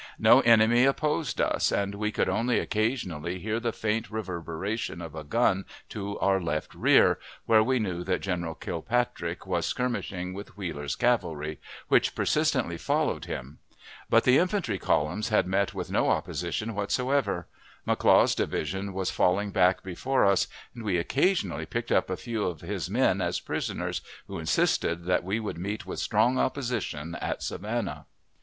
No enemy opposed us, and we could only occasionally hear the faint reverberation of a gun to our left rear, where we knew that General Kilpatrick was skirmishing with Wheeler's cavalry, which persistently followed him. But the infantry columns had met with no opposition whatsoever. McLaw's division was falling back before us, and we occasionally picked up a few of his men as prisoners, who insisted that we would meet with strong opposition at Savannah.